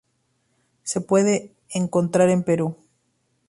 Se pueden encontrar en Perú.